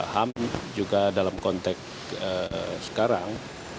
ham juga dalam konteks sekarang